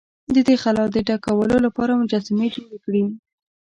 د دې خلا د ډکولو لپاره مجسمې جوړې کړې.